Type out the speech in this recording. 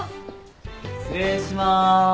失礼します。